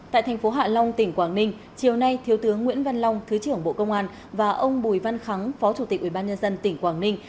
tại thành phố hạ long tỉnh quảng ninh chiều nay thiếu tướng nguyễn văn long thứ trưởng bộ công an và ông bùi văn phó chủ tịch ubnd tỉnh quảng ninh